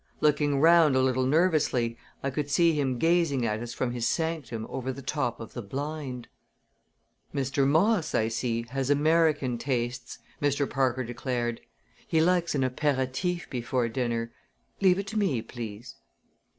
Looking round a little nervously I could see him gazing at us from his sanctum over the top of the blind! "Mr. Moss, I see, has American tastes," Mr. Parker declared. "He likes an apéritif before dinner. Leave it to me, please."